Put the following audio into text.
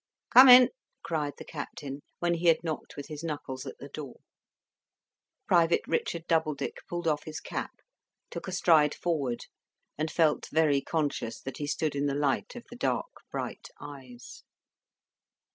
"Come in!" cried the Captain, when he had knocked with his knuckles at the door. Private Richard Doubledick pulled off his cap, took a stride forward, and felt very conscious that he stood in the light of the dark, bright eyes.